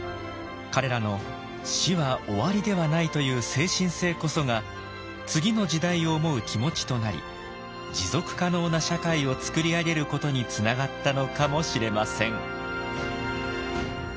彼らの「死は終わりではない」という精神性こそが次の時代を思う気持ちとなり持続可能な社会を作り上げることにつながったのかもしれません。